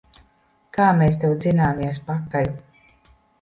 Kā mēs tev dzināmies pakaļ!